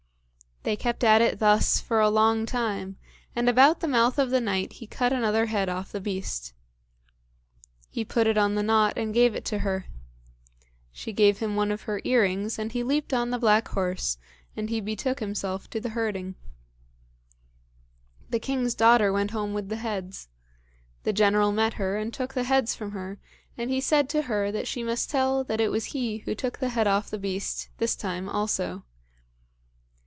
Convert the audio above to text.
They kept at it thus for a long time, and about the mouth of the night he cut another head off the beast. He put it on the knot and gave it to her. She gave him one of her earrings, and he leaped on the black horse, and he betook himself to the herding. The king's daughter went home with the heads. The General met her, and took the heads from her, and he said to her that she must tell that it was he who took the head off the beast this time also.